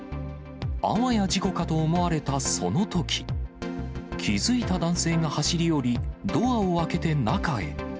あわや事故かと思われた、そのとき、気付いた男性が走り寄り、ドアを開けて中へ。